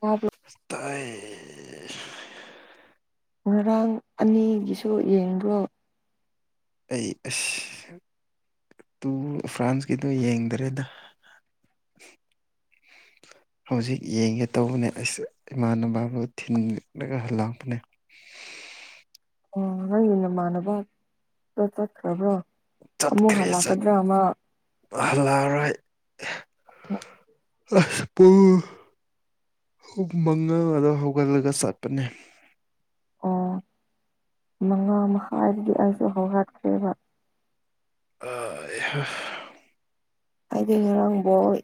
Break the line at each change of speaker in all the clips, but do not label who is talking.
ꯋꯥꯕ꯭ꯔꯨ
ꯑꯁ ꯇꯥꯏ
ꯉꯔꯥꯡ ꯑꯅꯤꯒꯤꯁꯨ ꯌꯦꯡꯕ꯭ꯔꯣ
ꯑꯩ ꯑꯁ ꯇꯨ ꯐ꯭ꯔꯥꯟꯁꯀꯤꯗꯨ ꯌꯦꯡꯗꯔꯦꯗ
[inaudible]
ꯍꯧꯖꯤꯛ ꯌꯦꯡꯒꯦ ꯇꯧꯕꯅꯦ ꯑꯁ ꯏꯃꯥꯟꯅꯕꯕꯨ ꯊꯤꯟꯂꯒ ꯍꯜꯂꯛꯄꯅꯦ
[inaudible] ꯑꯣ ꯅꯪꯒꯤ ꯅꯃꯥꯟꯅꯕ ꯗ ꯆꯠꯈ꯭ꯔꯕ꯭ꯔꯣ ꯑꯃꯨꯛ
ꯆꯠꯈ꯭ꯔꯦ ꯆꯠ
ꯍꯜꯂꯛꯀꯗ꯭ꯔꯥ ꯃꯥ
ꯍꯜꯂ ꯑꯔꯣꯏ ꯑꯁ ꯄꯨꯡ ꯄꯨꯡ ꯃꯉꯥꯗ ꯍꯧꯒꯠꯂꯒ ꯆꯠꯄꯅꯦ
ꯑꯣ ꯃꯉꯥ ꯃꯈꯥꯏꯗꯗꯤ ꯑꯩꯁꯨ ꯍꯧꯒꯠꯈ꯭ꯔꯦꯕ
ꯑꯥꯏꯍ
ꯑꯩꯗꯤ ꯉꯔꯥꯡ ꯕꯣꯏ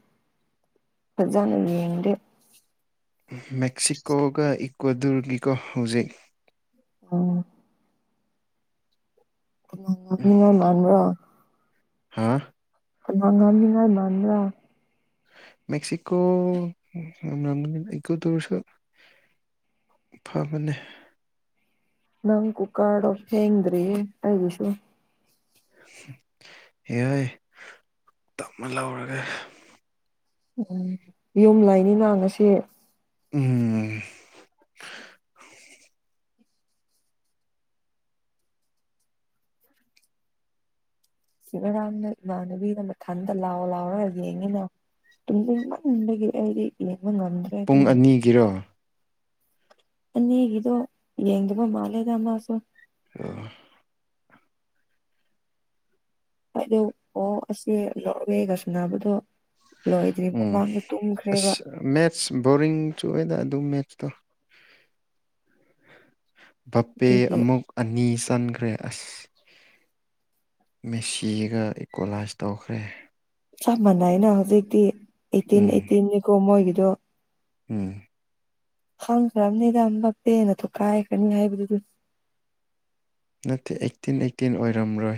ꯐꯖꯅ ꯌꯦꯡꯗꯦ
ꯃꯦꯛꯁꯤꯀꯣꯒ ꯏꯀ꯭ꯋꯥꯗꯨꯔꯒꯤꯀꯣ ꯍꯧꯖꯤꯛ
ꯎꯝ ꯀꯅꯥꯅ ꯃꯤꯅꯥꯏ ꯃꯥꯟꯕ꯭ꯔꯣ
ꯍꯥꯥ
ꯀꯅꯥꯅ ꯃꯤꯅꯥꯏ ꯃꯥꯟꯕ꯭ꯔꯥ
ꯃꯦꯛꯁꯤꯀꯣ [unintelligible] ꯏꯀꯣꯗꯨꯔꯁꯨ ꯐꯕꯅꯦ
ꯅꯪ ꯀꯨꯀꯔꯗꯣ ꯐꯦꯡꯗ꯭ꯔꯤꯌꯦ ꯑꯩꯒꯤꯁꯨ
ꯍꯦꯔꯩ ꯇꯞꯅ ꯂꯧꯔꯒꯦ
ꯎꯝ ꯌꯨꯝ ꯂꯩꯅꯤꯅ ꯉꯁꯤ
ꯎꯝ ꯎꯝ
ꯁꯤꯕꯔꯥꯝꯅ ꯏꯃꯥꯟꯅꯕꯤꯅ ꯃꯊꯟꯇ ꯂꯥꯎ ꯂꯥꯎꯔꯒ ꯌꯦꯡꯉꯤꯅ ꯇꯨꯝꯅꯤꯡꯃꯟꯕꯒꯤ ꯑꯩꯗꯤ ꯂꯩꯕ [unintelligible]
ꯄꯨꯡ ꯑꯅꯤꯒꯤꯔꯣ
ꯑꯅꯤꯒꯤꯗꯣ ꯌꯦꯡꯗꯕ ꯃꯥꯂꯦꯗ ꯃꯥꯁꯨ
ꯑ
ꯑꯗꯨ ꯑꯣ ꯑꯁꯤ ꯅꯣꯔꯋꯦꯒ ꯁꯥꯅꯕꯗꯣ ꯂꯣꯏꯗ꯭ꯔꯤ ꯃꯃꯥꯡꯗ ꯇꯨꯝꯈ꯭ꯔꯦꯕ
ꯑꯁ ꯃꯦꯠꯁ ꯕꯣꯔꯤꯡ ꯆꯨ ꯑꯦꯗ ꯑꯗꯨ ꯃꯦꯠꯁꯇꯣ ꯕꯄꯦ
ꯑꯗꯨꯒꯤ
ꯑꯃꯨꯛ ꯑꯅꯤ ꯆꯟꯈ꯭ꯔꯦ ꯑꯁ ꯃꯦꯁꯤꯒ ꯏꯀꯣꯂꯥꯏꯁ ꯇꯧꯈ꯭ꯔꯦ
ꯆꯞ ꯃꯥꯟꯅꯩꯅ ꯍꯧꯖꯤꯛꯇꯤ ꯑꯩꯠꯇꯤꯟ
ꯎꯝ
ꯑꯩꯠꯇꯤꯟꯅꯤꯀꯣ ꯃꯣꯏꯒꯤꯗꯣ
ꯎꯝ
ꯈꯪꯈ꯭ꯔꯕꯅꯤꯗ ꯑꯦꯝꯕꯥꯄꯦꯅ ꯊꯨꯀꯥꯏꯈ꯭ꯔꯅꯤ ꯍꯥꯏꯕꯗꯨꯗꯨꯗꯤ
ꯅꯠꯇꯦ ꯑꯩꯠꯇꯤꯟ ꯑꯩꯠꯇꯤꯟ ꯑꯣꯏꯔꯝꯔꯣꯏ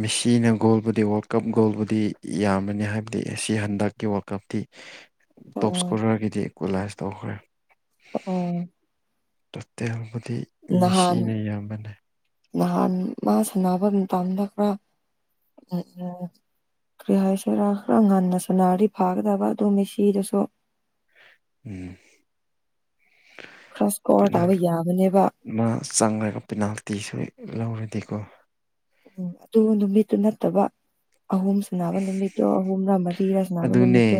ꯃꯤꯁꯤꯅ ꯒꯣꯜꯕꯨꯗꯤ ꯋꯥꯔꯜ ꯀꯞ ꯒꯣꯜꯕꯨꯗꯤ ꯌꯥꯝꯕꯅꯤ ꯍꯥꯏꯕꯗꯤ ꯑꯁꯤ ꯍꯟꯗꯛꯀꯤ ꯋꯥꯔꯜ ꯀꯞꯇꯤ
[inaudible]
ꯇꯣꯞ
ꯑꯣ
ꯁꯀꯣꯔꯔꯒꯤꯗꯤ ꯏꯀꯣꯂꯥꯏꯁ ꯇꯧꯈ꯭ꯔꯦ
ꯑꯣ
ꯇꯣꯇꯦꯜꯕꯨꯗꯤ
ꯅꯍꯥꯟ
ꯃꯦꯁꯤꯅ ꯌꯥꯝꯕꯅꯦ
ꯅꯍꯥꯟ ꯃꯥ ꯁꯥꯟꯅꯕ ꯃꯇꯝꯗ ꯈꯔ ꯎꯝ ꯎꯝ ꯀ꯭ꯔꯤ ꯍꯥꯏꯁꯤꯔ ꯈꯔ ꯉꯟꯅ ꯁꯥꯟꯅꯔꯗꯤ ꯐꯥꯒꯗꯕ ꯑꯗꯣ ꯃꯦꯁꯤꯗꯁꯨ
ꯎꯝ
ꯈꯔ ꯁꯀꯣꯔ
ꯄꯤꯅꯥꯜ
ꯇꯧꯕ ꯌꯥꯕꯅꯦꯕ
ꯃꯥ ꯆꯪꯂꯒ ꯄꯦꯅꯥꯜꯇꯤꯁꯦ ꯂꯧꯔꯗꯤꯀꯣ
ꯎꯝ ꯑꯗꯨ ꯅꯨꯃꯤꯠꯇꯨ ꯅꯠꯇꯕ ꯑꯍꯨꯝ ꯁꯥꯅꯕ ꯅꯨꯃꯤꯠꯇꯣ ꯑꯍꯨꯝꯔ ꯃꯔꯤꯔ ꯁꯥꯟꯅꯕ
ꯑꯗꯨꯅꯦ
ꯅꯨꯃꯤꯠꯇꯣ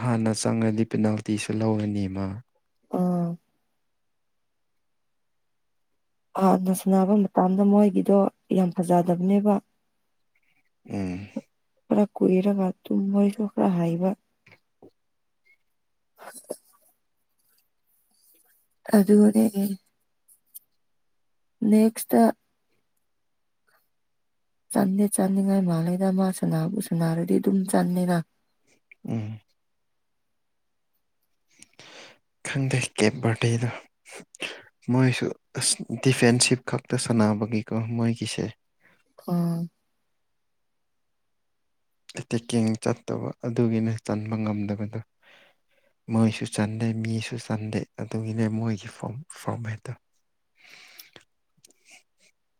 ꯍꯥꯟꯅ ꯆꯪꯉꯗꯤ ꯄꯦꯅꯥꯜꯇꯤꯁꯨ ꯂꯧꯔꯅꯤ ꯃꯥ
ꯑ ꯍꯥꯟꯅ ꯁꯥꯟꯅꯕ ꯃꯇꯝꯗꯣ ꯃꯣꯏꯒꯤꯗꯣ ꯌꯥꯝ ꯐꯖꯗꯕꯅꯦꯕ
ꯎꯝ
ꯈ ꯀꯨꯏꯔꯒ ꯇꯨꯝ ꯃꯣꯏꯁꯨ ꯈꯔ ꯍꯩꯕ ꯑꯗꯨꯒ [unintelligible] ꯅꯦꯛꯁꯇ ꯆꯟꯗꯤ ꯆꯟꯅꯤꯡꯉꯥꯏ ꯃꯥꯂꯤꯗ ꯃꯥ ꯁꯅꯥꯕꯨ ꯁꯅꯥꯔꯗꯤ ꯑꯗꯨꯝ ꯆꯟꯅꯤꯅ
ꯎꯝ ꯈꯪꯗꯦ ꯀꯦꯕ ꯕꯔꯗꯦꯗꯣ ꯃꯣꯏꯁꯨ ꯑꯁ ꯗꯤꯐꯦꯟꯁꯤꯞ ꯈꯛꯇ ꯁꯥꯟꯅꯕꯒꯤꯀꯣ ꯃꯣꯏꯒꯤꯁꯦ
ꯑꯣ
ꯇꯦꯛꯀꯤꯡ ꯆꯠꯇꯕ ꯑꯗꯨꯒꯤꯅ ꯆꯟꯕ ꯉꯝꯗꯕꯗꯣ ꯃꯣꯏꯁꯨ ꯆꯟꯗꯦ ꯃꯤꯁꯨ ꯆꯟꯗꯦ ꯑꯗꯨꯒꯤꯅꯦ ꯃꯣꯏꯒꯤ ꯐꯣꯔꯝ ꯐꯣꯔꯃꯦꯠꯇꯣ
[inaudible]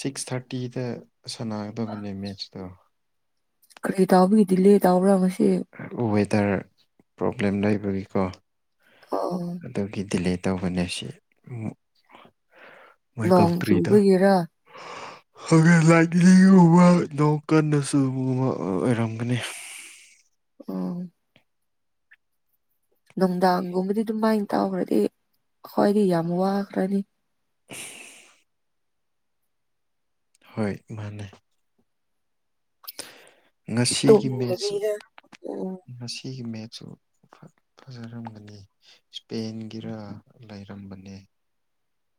ꯁꯤꯛꯁ ꯊꯥꯔꯇꯤꯗ ꯁꯥꯟꯅꯒꯗꯕꯅꯦ ꯃꯦꯠꯁꯇꯣ
ꯀꯔꯤ ꯇꯥꯎꯕꯒꯤ ꯗꯤꯂꯦ ꯇꯥꯎꯕ꯭ꯔꯥ ꯉꯁꯤ
ꯋꯦꯗꯔ ꯄ꯭ꯔꯣꯕ꯭ꯂꯦꯝ ꯂꯩꯕꯒꯤꯀꯣ
ꯑꯥ
ꯑꯗꯨꯒꯤ ꯗꯤꯂꯦ ꯇꯧꯕꯅꯦ ꯁꯤ ꯑꯃꯨꯛ ꯃꯣꯏ
ꯅꯣꯡ
ꯀꯛꯇ꯭ꯔꯤꯗꯥ
ꯆꯨꯕꯒꯤꯔ [inaudible]
ꯍꯣꯔꯦꯟ ꯂꯥꯏ ꯗꯤꯜꯂꯤ ꯌꯧꯕ ꯌꯧ ꯀꯥꯟꯗꯁꯨ ꯑꯃ ꯑꯣꯏꯔꯝꯒꯅꯤ
ꯎꯝ ꯅꯨꯡꯗꯥꯡꯒꯨꯝꯕꯗꯤ ꯑꯗꯨꯃꯥꯏꯟ ꯇꯥꯎꯈ꯭ꯔꯗꯤ ꯑꯩꯈꯣꯏꯗꯤ ꯌꯥꯝ ꯋꯥꯈ꯭ꯔꯅꯤ
[inaudible] ꯍꯣꯏ ꯃꯥꯟꯅꯦ ꯉꯁꯤꯒꯤ ꯃꯦꯠꯁꯨ
ꯇꯨꯝꯗꯕꯤꯗ ꯎꯝ
ꯉꯁꯤꯒꯤ ꯃꯦꯠꯁꯨ ꯚ ꯐꯖꯔꯝꯒꯅꯤ ꯏꯁꯄꯦꯟꯒꯤꯔꯥ ꯂꯩꯔꯝꯕꯅꯦ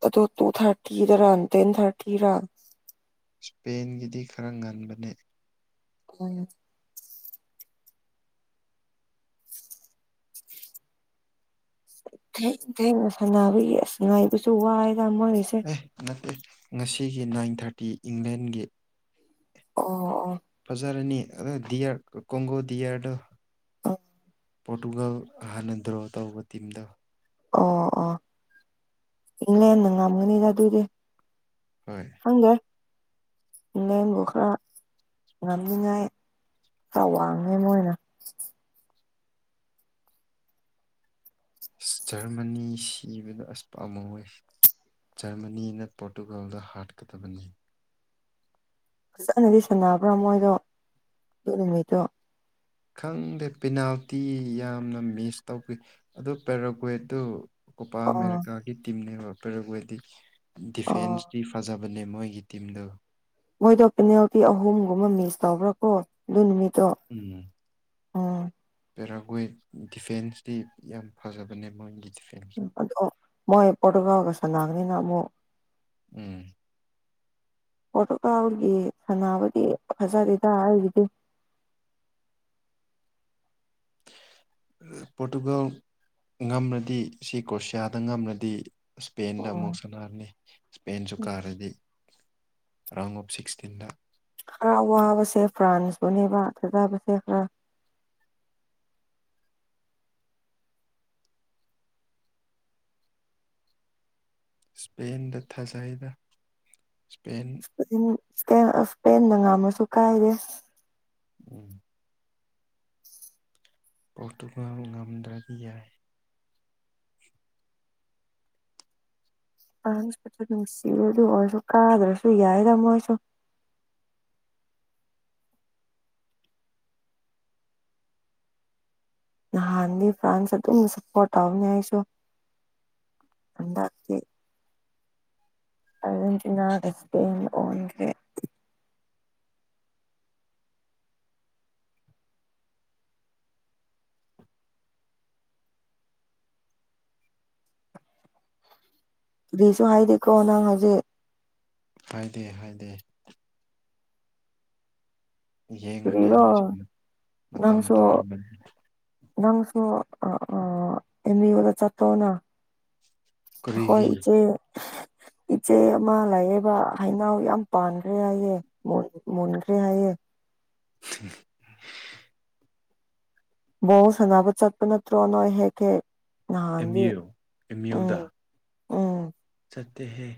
ꯑꯗꯣ ꯇꯨ ꯊꯥꯔꯇꯤꯗꯔꯥ ꯇꯦꯟ ꯊꯥꯔꯇꯤꯔꯥ
ꯏꯁꯄꯦꯟꯒꯤꯗꯤ ꯈꯔ ꯉꯟꯕꯅꯦ
ꯎꯝ ꯊꯦꯡ ꯊꯦꯡꯅ ꯁꯥꯟꯅꯕꯒꯤ ꯑꯁ ꯉꯥꯏꯕꯗꯨꯁꯨ ꯋꯥꯏ ꯌꯥꯝ ꯃꯣꯏꯁꯦ
ꯑꯦꯍ ꯅꯠꯇꯦ ꯉꯁꯤꯒꯤ ꯅꯥꯏꯟ ꯊꯥꯔꯇꯤ ꯏꯪꯂꯦꯟꯒꯤ
ꯑꯣ ꯑꯣ
ꯐꯖꯥꯔꯅꯤ ꯑꯗꯣ ꯗꯤꯌꯥꯔ ꯀꯣꯡꯒꯣ ꯗꯤꯌꯥꯔꯗꯣ
ꯑꯣ ꯑꯣ
ꯄꯣꯔꯇꯨꯒꯜ ꯍꯥꯟꯅ ꯗ꯭ꯔꯣ ꯇꯧꯕ ꯇꯤꯝꯗ
ꯑꯣ ꯑꯣ ꯏꯪꯂꯦꯟꯟꯅ ꯉꯝꯒꯅꯤꯗ ꯑꯗꯨꯗꯤ
ꯍꯣꯏ
ꯈꯪꯗꯦ ꯏꯪꯂꯦꯟꯕꯨ ꯈꯔ ꯉꯝꯅꯤꯡꯉꯥꯏ ꯈꯔ ꯋꯥꯡꯉꯦ ꯃꯣꯏꯅ
ꯑꯁ ꯖꯔꯃꯅꯤ ꯁꯤꯕꯗꯣ ꯑꯁ ꯄꯥꯝꯃꯨꯋꯦ ꯖꯔꯃꯅꯤꯅ ꯄꯣꯔꯇꯨꯒꯥꯜꯗꯣ ꯍꯥꯠꯀꯗꯕꯅꯤ
ꯐꯖꯅꯗꯤ ꯁꯥꯟꯅꯕ꯭ꯔꯥ ꯃꯣꯏꯗꯣ ꯑꯗꯨ ꯅꯨꯃꯤꯠꯇꯣ
ꯈꯪꯗꯦ ꯄꯦꯅꯥꯜꯇꯤ ꯌꯥꯝꯅ ꯃꯤꯁ ꯇꯧꯕꯤ ꯑꯗꯨ ꯄꯦꯔꯥꯀ꯭ꯋꯦꯠꯇꯨ ꯑꯣꯄꯥ
ꯑꯣ
ꯑꯃꯦꯔꯤꯀꯥꯒꯤ ꯇꯤꯝꯅꯦꯕ ꯄꯦꯔꯥꯒ꯭ꯋꯦꯠꯀꯤ ꯗꯤꯐꯦꯟꯁ
ꯑꯣ
ꯗꯤ ꯐꯖꯕꯅꯦ ꯃꯣꯏꯒꯤ ꯇꯤꯝꯗꯣ
ꯃꯣꯏꯗꯣ ꯄꯦꯅꯦꯜꯇꯤ ꯑꯍꯨꯝꯒꯨꯝꯕ ꯃꯤꯁ ꯇꯧꯕ꯭ꯔꯥ ꯀꯣ ꯑꯗꯨ ꯅꯨꯃꯤꯠꯇꯣ ꯎꯝ
ꯄꯦꯔꯥꯈ꯭ꯋꯦꯠ ꯗꯤꯐꯦꯟꯁꯇꯤ ꯌꯥꯝ ꯐꯖꯕꯅꯦ ꯃꯣꯏꯒꯤꯗꯤ
ꯑꯗꯣ ꯃꯣꯏ ꯄꯣꯔꯇꯨꯒꯜꯒ ꯁꯥꯟꯅꯥꯕꯅꯤꯅ ꯑꯃꯨꯛ
ꯎꯝ
ꯄꯣꯔꯇꯨꯀꯥꯜꯒꯤ ꯁꯥꯟꯅꯕꯗꯤ ꯐꯖꯗꯦꯗ ꯑꯩꯒꯤꯗꯤ
ꯄꯣꯔꯇꯨꯒꯜ ꯉꯝꯂꯗꯤ ꯁꯤ ꯀ꯭ꯔꯣꯁꯤꯌꯥꯗ ꯉꯝꯂꯗꯤ ꯏꯁꯄꯦꯟꯗ
ꯎꯝ
ꯑꯃꯨꯛ ꯁꯥꯟꯅꯔꯅꯤ ꯏꯁꯄꯦꯟꯁꯨ ꯀꯥꯔꯗꯤ ꯔꯥꯎꯟ ꯑꯣꯐ ꯁꯤꯛꯁꯇꯤꯟꯗ
ꯈꯔ ꯋꯥꯕꯁꯦ ꯐ꯭ꯔꯥꯟꯁꯇꯨꯅꯦꯕ ꯐꯖꯕꯁꯦ ꯈꯔ
ꯏꯁꯄꯦꯟꯗ ꯊꯥꯖꯩꯗꯥ ꯏꯁꯄꯦꯟ
ꯑꯗꯨꯝ ꯏꯁꯄꯦꯟ ꯏꯁꯄꯦꯟꯅ ꯉꯝꯃꯁꯨ ꯀꯥꯏꯗꯦ
ꯎꯝ ꯄꯣꯔꯇꯨꯒꯜ ꯉꯝꯗ꯭ꯔꯗꯤ ꯌꯥꯏ
ꯑꯍꯟꯁꯨꯁꯨ ꯅꯨꯡꯁꯤꯕꯗꯨ ꯑꯣꯏꯔꯁꯨ ꯀꯥꯗ꯭ꯔꯁꯨ ꯌꯥꯏꯗꯥ ꯃꯣꯏꯁꯨ ꯅꯍꯥꯟꯗꯤ ꯐ꯭ꯔꯥꯟꯁ ꯑꯗꯨꯝ ꯁꯞꯄꯣꯔꯠ ꯇꯧꯅꯤ ꯑꯩꯁꯨ ꯍꯥꯟꯗꯛꯇꯤ ꯑꯥꯔꯖꯦꯟꯇꯤꯅꯥꯒ ꯏꯁꯄꯦꯟꯒ ꯑꯣꯟꯈ꯭ꯔꯦ ꯀꯔꯤꯁꯨ ꯍꯥꯏꯗꯦꯀꯣ ꯅꯪ ꯍꯧꯖꯤꯛ
ꯍꯥꯏꯗꯦ ꯍꯥꯏꯗꯦ ꯌꯦꯡꯉꯨꯅꯦ
ꯀꯔꯤꯔꯣ
ꯅꯣꯏ ꯁꯨꯕꯤꯌꯣ ꯃꯇꯝ
ꯅꯪꯁꯨ
ꯇꯥꯔꯨꯕꯅꯤ
ꯅꯪꯁꯨ ꯑꯥ ꯑꯥ ꯑꯦꯝ ꯌꯨ ꯗ ꯆꯠꯄ꯭ꯔꯣ ꯅꯪ ꯑꯩꯈꯣꯏ
ꯀꯔꯤꯒꯤ
ꯏꯆꯦ ꯏꯆꯦ ꯑꯃ ꯂꯥꯏꯌꯦꯕ ꯍꯩꯅꯧ ꯌꯥꯝ ꯄꯥꯟꯗ꯭ꯔꯦ ꯍꯥꯏꯌꯦ ꯃꯨꯟ ꯃꯨꯟꯈ꯭ꯔꯦ ꯍꯥꯏꯌꯦ
[unintelligible]
ꯕꯣꯜ ꯁꯥꯟꯅꯕ ꯆꯠꯄ ꯅꯠꯇ꯭ꯔꯣ ꯅꯣꯏ ꯍꯦꯛ ꯍꯦꯛ
ꯑꯦꯝ
ꯅꯍꯥꯟꯗꯤ
ꯌꯨ ꯑꯦꯝ
ꯎꯝ
ꯌꯨꯗ
ꯎꯝ
ꯆꯠꯇꯦꯍꯦ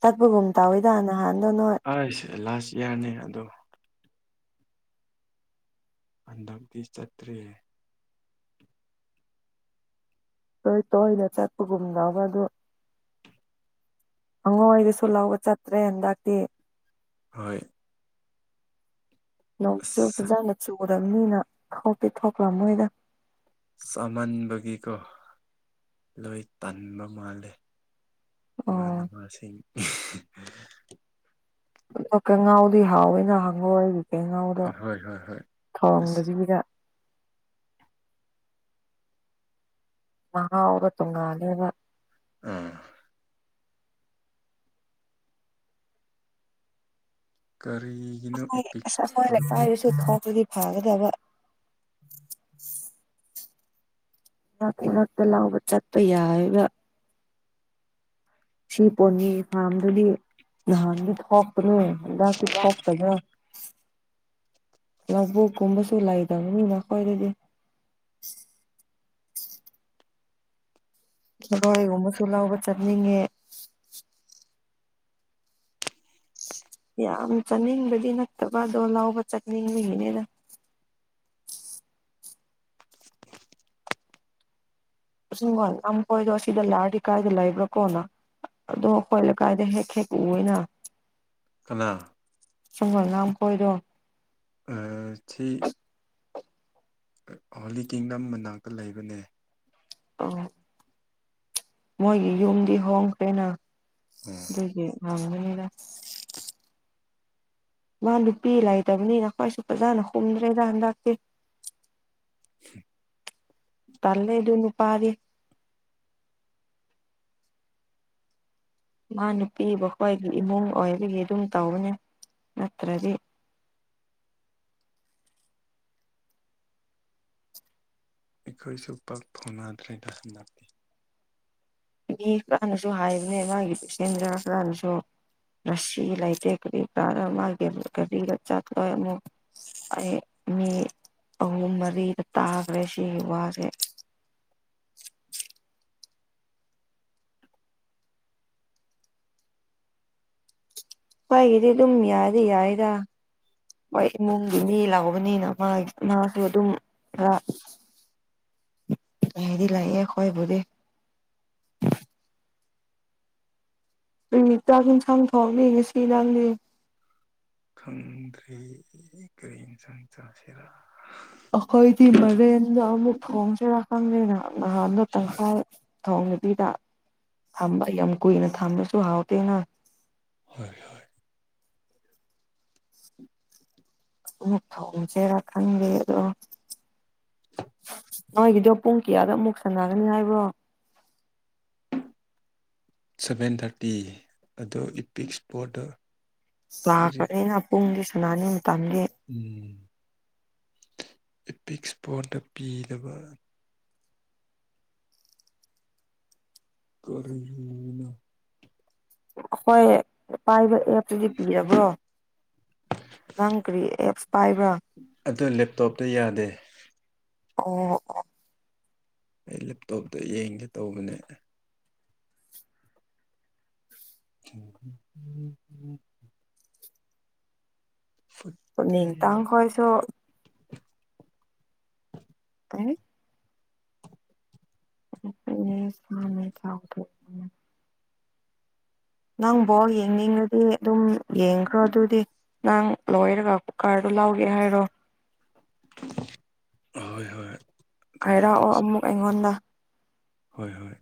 ꯆꯠꯄꯒꯨꯝ ꯇꯧꯋꯤꯗ ꯅꯍꯥꯟꯗꯣ ꯅꯣꯏ
ꯑꯩꯁ ꯂꯥꯁ ꯏꯌꯥꯔꯅꯦ ꯑꯗꯣ ꯍꯟꯗꯛꯇꯤ ꯆꯠꯇ꯭ꯔꯤ
ꯇꯣꯏ ꯇꯣꯏꯅ ꯆꯠꯄꯒꯨꯝ ꯂꯥꯎꯕ ꯑꯗꯨ ꯑꯉꯣꯏꯗꯨꯁꯨ ꯂꯧꯕ ꯆꯠꯇ꯭ꯔꯦ ꯍꯟꯗꯛꯇꯤ
ꯍꯣꯏ
ꯅꯣꯡꯁꯨꯨ
ꯑꯁ
ꯐꯖꯅ ꯆꯨꯔꯕꯅꯤꯅ ꯊꯣꯛꯇꯤ ꯊꯣꯛꯂꯝꯃꯣꯏꯗ
ꯆꯥꯃꯟꯕꯒꯤꯀꯣ ꯂꯣꯏ ꯇꯟꯕ ꯃꯥꯜꯂꯦ
ꯑꯣ
ꯏꯃꯥꯟꯅꯕꯁꯤꯡ
ꯐꯨꯠꯑꯒ ꯉꯧꯔꯗꯤ ꯍꯥꯎꯋꯤꯅ ꯍꯪꯉꯣꯢꯒꯤ ꯀꯩꯅꯣꯗꯣ
ꯍꯣꯏ ꯍꯣꯏ ꯍꯣꯏ ꯑꯁ
ꯊꯣꯡꯗꯗꯤ ꯄꯤꯖ ꯃꯍꯥꯎꯗꯣ ꯇꯣꯉꯥꯜꯂꯦꯕ
ꯎꯝ ꯀꯔꯤ
ꯑꯁ꯭ꯋꯥꯢ ꯑꯁ ꯑꯁ꯭ꯋꯥꯢ ꯂꯩꯀꯥꯏꯗꯁꯨ ꯊꯣꯡꯂꯗꯤ ꯐꯒꯗꯕ ꯉꯥꯛꯇ ꯉꯥꯛꯇ ꯂꯥꯎꯕ ꯆꯠꯄ ꯌꯥꯏꯕ ꯁꯤ ꯄꯣꯅꯤꯒꯤ ꯐꯥꯝꯗꯨꯗꯤ ꯅꯍꯥꯟꯗꯤ ꯊꯣꯛꯄꯅꯦ ꯍꯟꯗꯥꯛꯇꯤ ꯊꯣꯛꯇꯕ꯭ꯔꯣ ꯅꯣꯠꯕꯨꯛ ꯀꯨꯝꯕꯁꯨ ꯂꯩꯗꯕꯅꯤꯅ ꯅꯈꯣꯢꯗꯗꯤ ꯈꯦꯔꯣꯢꯒꯨꯝꯕꯁꯨ ꯂꯧꯕ ꯆꯠꯅꯤꯡꯉꯦ ꯌꯥꯝ ꯆꯥꯅꯤꯡꯕꯗꯤ ꯅꯠꯇꯕ ꯑꯗꯣ ꯂꯧꯕ ꯆꯠꯅꯤꯡꯕꯒꯤꯅꯤꯗ
[unintelligible]
ꯑꯁꯤꯡꯒꯣꯏ ꯑꯝ ꯀꯣꯏꯔꯖꯨ ꯑꯁꯤꯗ ꯂꯥꯔꯗꯤ ꯀꯥꯏꯗ ꯂꯩꯕ꯭ꯔꯥ ꯀꯣꯟꯅ ꯑꯗꯣ ꯑꯩꯈꯣꯏ ꯂꯩꯀꯥꯏꯗ ꯍꯦꯛ ꯍꯦꯛ ꯎꯋꯦꯅ
ꯀꯅꯥ
ꯁꯪꯒꯣꯜ ꯂꯝ ꯀꯣꯏꯔꯣ
ꯎꯝ ꯊꯤ ꯍꯣꯂꯤ ꯀꯤꯡꯗꯝ ꯃꯅꯥꯛꯇ ꯂꯩꯕꯅꯦ
ꯑꯣ ꯃꯣꯏꯒꯤ ꯌꯨꯝꯗꯤ ꯍꯣꯡꯈ꯭ꯔꯦꯅ
ꯎꯝ
ꯗꯨꯒꯤ ꯍꯪꯕꯅꯤꯗ ꯃꯥ ꯅꯨꯄꯤ ꯂꯩꯇꯕꯅꯤꯅ ꯀꯩꯁꯨ ꯐꯖꯅ ꯍꯨꯝꯗ꯭ꯔꯦꯗ ꯍꯟꯗꯛꯇꯤ
[unintelligible]
ꯇꯜꯂꯦ ꯑꯗꯨ ꯅꯨꯄꯥꯥꯗꯤ ꯃꯥ ꯅꯨꯞꯄꯤ ꯕꯨ ꯈꯣꯏꯕꯩ ꯏꯃꯨꯡ ꯑꯣꯏꯕꯒꯤ ꯗꯨꯝ ꯇꯧꯕꯅꯦ ꯅꯠꯇ꯭ꯔꯗꯤ
ꯑꯩꯈꯣꯏꯁꯨ ꯄꯥꯛ ꯐꯥꯎꯅꯗ꯭ꯔꯦꯗ ꯍꯟꯗꯛꯇꯤ
ꯃꯤ ꯀꯔꯥꯅꯁꯨ ꯍꯥꯏꯕꯅꯦ ꯃꯥꯒꯤ ꯄꯁꯦꯟꯗꯔ ꯈꯔꯅꯁꯨ ꯉꯁꯤꯒꯤ ꯂꯩꯇꯦ ꯀꯔꯤ ꯀꯥꯔ ꯃꯥꯒ‌ꯦꯝ ꯀꯔꯤꯗ ꯆꯠꯄ ꯑꯃꯨꯛ ꯑꯩ ꯃꯤ ꯑꯍꯨꯝ ꯃꯔꯤꯗ ꯇꯥꯒ꯭ꯔꯦ ꯁꯤꯒꯤ ꯋꯥꯁ‌ꯦ ꯈ‌ꯣꯏꯒꯤꯗꯤ ꯑꯗꯨꯝ ꯌꯥꯗꯤ ꯌꯥꯏꯗꯥ ꯃꯥꯏ ꯏꯃꯨꯡꯒꯤ ꯃꯤ ꯂꯥꯍꯧꯕꯅꯤꯅ ꯃꯥꯏ ꯃꯥꯁꯨ ꯑꯗꯨꯝ ꯈꯔ ꯂꯥꯗꯤ ꯂꯥꯑꯦ ꯑꯈꯣꯏꯕꯨꯗꯤ ꯌꯨꯝꯒꯤ ꯆꯥꯛ ꯍ‌ꯦꯟꯁꯥꯡ ꯊꯣꯡꯅꯤ ꯉꯁꯤ ꯂꯥꯡꯂꯤ
ꯈꯪꯗ꯭ꯔꯦ ꯀꯔꯤ ꯏꯟꯁꯥꯡ ꯆꯥꯁꯤꯔꯥ
ꯑꯈꯣꯏꯗꯤ ꯃꯔꯦꯟꯗꯨ ꯑꯃꯨꯛ ꯊꯣꯡꯁꯤꯔꯥ ꯈꯪꯗꯦꯅ ꯅꯍꯥꯟꯗꯨ ꯇꯪꯈꯥꯏ ꯊꯣꯡꯗꯕꯤꯗ ꯊꯝꯕ ꯌꯥꯝ ꯀꯨꯏꯅ ꯊꯝꯕꯁꯨ ꯍꯥꯎꯇꯦꯅ
ꯍꯣꯏ ꯍꯣꯏ
ꯑꯃꯨꯛ ꯊꯣꯡꯁꯤꯔꯥ ꯈꯪꯗꯦ ꯑꯗꯣ ꯅꯣꯏꯒꯤꯗ‌ꯣ ꯄꯨꯡ ꯀꯌꯥꯗ ꯑꯃꯨꯛ ꯁꯥꯅꯒꯅꯤ ꯍꯥꯏꯕ꯭ꯔꯣ
ꯁꯚꯦꯟ ꯊꯥꯔꯇꯤ ꯑꯗꯣ ꯏꯄꯤꯛ ꯏꯁꯄꯣꯔꯠꯇ
ꯄꯂꯥꯛ
ꯍꯧꯖꯤꯛ
ꯄꯔꯦꯅ ꯄꯨꯡꯒꯤ ꯁꯅꯥꯅꯤꯡ ꯃꯇꯝꯗꯤ
ꯎꯝ ꯏꯄꯤꯛ ꯏꯁꯄꯣꯠꯇ ꯄ‌ꯦꯂꯕ ꯀꯔꯤꯅ‌ꯣ ꯅꯤ
ꯑꯈꯣꯏ ꯄꯥꯏꯕ ꯑꯦꯞ ꯇꯨꯗꯤ ꯄꯤꯌꯕ꯭ꯔꯣ ꯅꯪ ꯀꯔꯤ ꯑꯦꯞꯁ ꯄꯥꯏꯕ꯭ꯔꯥ
ꯑꯗꯨ ꯂꯦꯕꯇꯣꯞꯇ ꯌꯥꯗꯦ
ꯑꯣ ꯑꯣ
ꯑꯩ ꯂꯦꯕꯇꯣꯞꯇ ꯌꯦꯡꯒꯦ ꯇꯧꯕꯅꯦ [unintelligible] ꯐꯨꯠ
ꯎꯅꯤꯡ ꯇꯥꯡ ꯈꯣꯏꯁꯨ ꯀꯩ [unintelligible] ꯅꯪ ꯕꯣꯜ ꯌꯦꯡꯅꯤꯡꯔꯗꯤ ꯗꯨꯝ ꯌꯦꯡꯈ꯭ꯔꯣ ꯑꯗꯨꯗꯤ ꯅꯪ ꯂꯣꯏꯔꯒ ꯀꯨꯀꯔꯗꯨ ꯂꯧꯒꯦ ꯍꯥꯏꯔꯣ
ꯍꯣꯏ ꯍꯣꯏ ꯑꯗꯨꯃꯥꯏꯅ
ꯍꯥꯏꯔꯑꯣ
ꯇꯧꯁꯤ
ꯑꯃꯨꯛ ꯑꯩꯉꯣꯟꯗ
ꯍꯣꯏ ꯍꯣꯏ